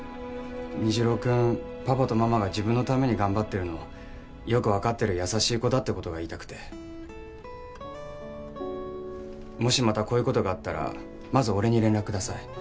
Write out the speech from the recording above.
虹朗君パパとママが自分のために頑張ってるのよく分かってる優しい子だってことが言いたくてもしまたこういうことがあったらまず俺に連絡ください